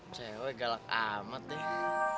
cewek galak amat deh